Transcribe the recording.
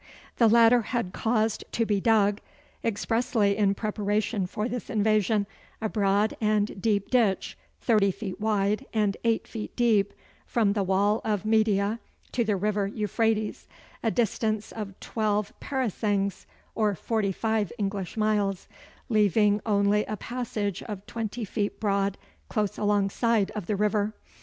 The latter had caused to be dug, expressly in preparation for this invasion, a broad and deep ditch (thirty feet wide and eight feet deep) from the wall of Media to the river Euphrates, a distance of twelve parasangs or forty five English miles, leaving only a passage of twenty feet broad close alongside of the river.